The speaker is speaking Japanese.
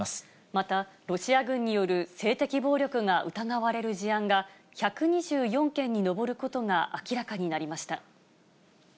また、ロシア軍による性的暴力が疑われる事案が、１２４件に上ることが明らかになりました。